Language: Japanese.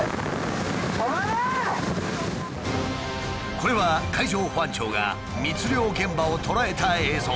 これは海上保安庁が密漁現場を捉えた映像。